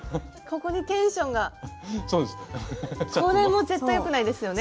これもう絶対よくないですよね。